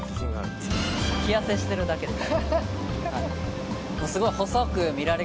着やせしてるだけです。